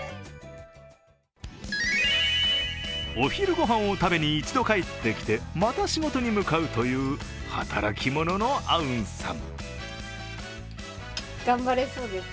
お昼ごはんを食べに一度帰ってきてまた仕事に向かうという働き者のアウンさん。